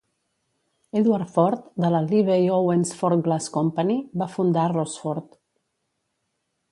Edward Ford, de la Libbey-Owens-Ford Glass Company, va fundar Rossford.